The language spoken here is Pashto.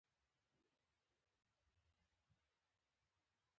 الماري د مېرمنو د سینګار وسیلو ځای وي